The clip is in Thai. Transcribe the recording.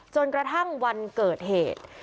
จนกระทั่งวันเกิดเหตุ